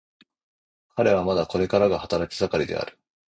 彼はまだこれからが働き盛りである。